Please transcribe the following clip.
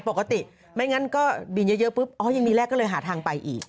ไม่งั้นก็บินเยอะปุ๊บอ๋อยังมีแรกก็เลยหาทางไปอีก